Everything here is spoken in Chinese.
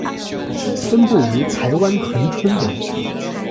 分布于台湾恒春等。